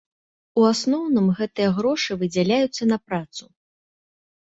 У асноўным гэтыя грошы выдзяляюцца на працу.